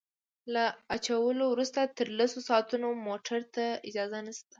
له اچولو وروسته تر لسو ساعتونو موټرو ته اجازه نشته